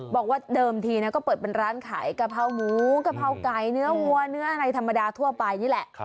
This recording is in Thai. บอกว่าเดิมทีก็เปิดเป็นร้านขายกะเพราหมูกะเพราไก่เนื้อวัวเนื้ออะไรธรรมดาทั่วไปนี่แหละ